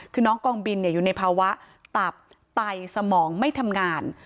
คือน้องกองบินอยู่ในภาวะตับไตสมองไม่ทำงาน